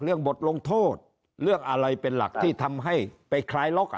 บทลงโทษเรื่องอะไรเป็นหลักที่ทำให้ไปคลายล็อกอ่ะ